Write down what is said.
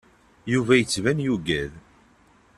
Yuba yettban yugad.